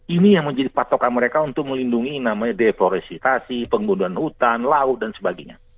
ini yang menjadi patokan mereka untuk melindungi namanya deforestasi pembunuhan hutan laut dan sebagainya